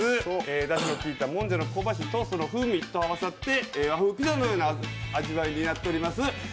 だしのきいたもんじゃの香ばしいトーストと合わさって、和風ピザのような味わいになっております。